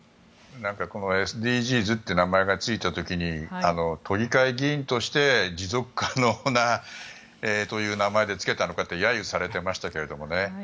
このＳＤＧｓという名前がついた時に都議会議員として持続可能なという名前でつけたのかと揶揄されてましたけどね。